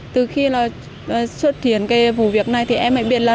từ khi là xuất hiện cái vụ việc này thì em mới biết là